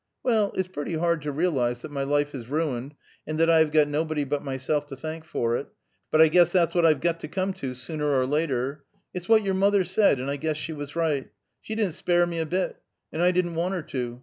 Well, it's pretty hard to realize that my life is ruined, and that I have got nobody but myself to thank for it, but I guess that's what I've got to come to, sooner or later. It's what your mother said, and I guess she was right; she didn't spare me a bit, and I didn't want her to.